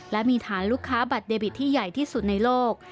และมีฐานลูกค้าบัตรเดบิตที่ใหญ่ที่สุดในโลก